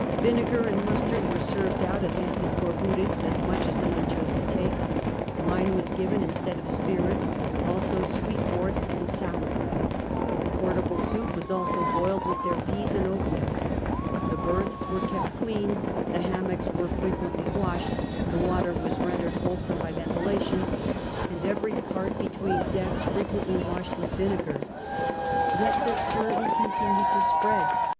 Vinegar and mustard were served out, as antiscorbutics, as much as the men chose to take; wine was given instead of spirits, also sweet wort and saloop: portable soup was also boiled with their 2)cas and oatmeal; the beiths wore kept clean, the ham mocks were frequently washed, the water was rendered wholesome by ventilation, and every i)art between decks frequently washed with vinegar. Yet the scuiw}' continued to spread.